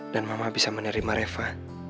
dan mama bisa menerima reva